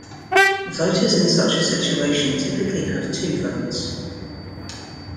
Voters in such a situation typically have two votes.